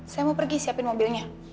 saya mau pergi siapin mobilnya